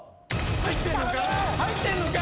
入ってんのか？